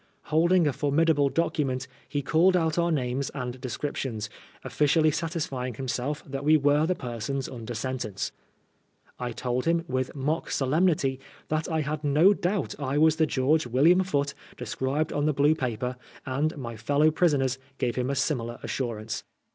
Holding a formidable document, he called out our names and descriptions, of&cially satisfying himself that we were the persons under sentence. I told him, with mock solemnity, that ~ had no doubt I was the George William Foote described *' BLACK MARIA." Ill on the bine paper, and my fellow prisoners gave him a similar assurance.